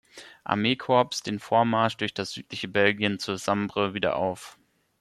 Armeekorps den Vormarsch durch das südliche Belgien zur Sambre wieder auf.